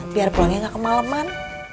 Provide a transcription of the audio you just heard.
biar pulangnya nggak kemaleman